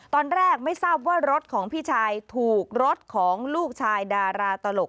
ตอนแรกไม่ทราบว่ารถของพี่ชายถูกรถของลูกชายดาราตลก